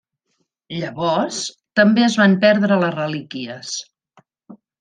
Llavors, també es van perdre les relíquies.